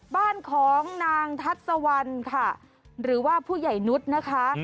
บ้านของนางทัศวรรณค่ะหรือว่าผู้ใหญ่นุษย์นะคะ